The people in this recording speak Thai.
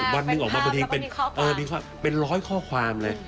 วันหนึ่งออกมาเป็น๑๐๐ข้อความเลย